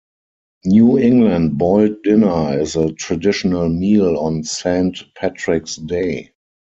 New England boiled dinner is a traditional meal on Saint Patrick's Day.